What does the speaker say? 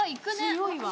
強いわ。